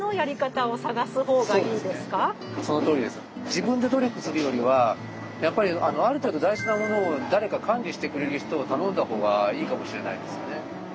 自分で努力するよりはある程度大事なものを誰か管理してくれる人を頼んだほうがいいかもしれないですね。